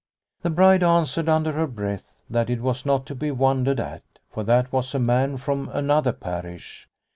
The bride answered under her breath that that was not to be wondered at, for that was a man from another parish.